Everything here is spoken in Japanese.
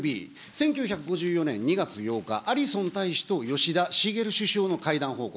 １９５４年２月８日、アリソン大使と吉田茂首相の会談報告。